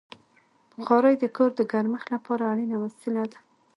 بخاري د کور د ګرمښت لپاره اړینه وسیله ده.